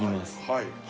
はい。